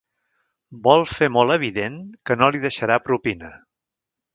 Vol fer molt evident que no li deixarà propina.